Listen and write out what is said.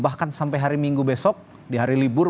bahkan sampai hari minggu besok di hari libur